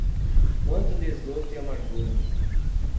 Quanto desgosto e amargura